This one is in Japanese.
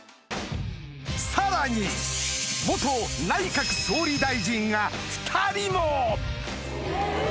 さらに内閣総理大臣が２人も！